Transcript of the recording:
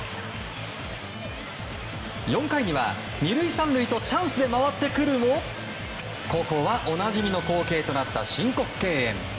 ４回には、２塁３塁とチャンスで回ってくるもここは、おなじみの光景となった申告敬遠。